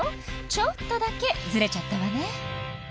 ちょっとだけズレちゃったわね